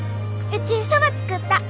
うちそば作った！